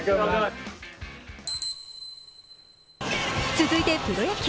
続いてプロ野球。